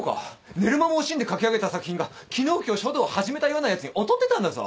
寝る間も惜しんで書き上げた作品が昨日今日書道を始めたようなやつに劣ってたんだぞ。